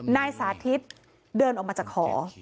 นายสาธิตเดินออกมาจากหอ